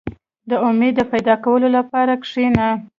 • د امید د پیدا کولو لپاره کښېنه.